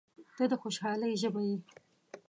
• ته د خوشحالۍ ژبه یې.